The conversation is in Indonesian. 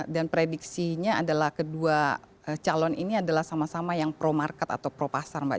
dan prediksinya adalah kedua calon ini adalah sama sama yang pro market atau pro pasar mbak